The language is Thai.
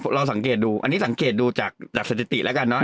ลองสังเกตดูอันนี้สังเกตดูจากสถิติแล้วกันเนอ